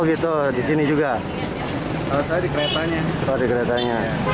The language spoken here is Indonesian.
itu saya di depan